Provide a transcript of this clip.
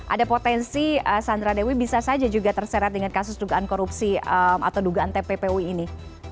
ada potensi sandra dewi bisa saja juga terseret dengan kasus dugaan korupsi atau dugaan tppu ini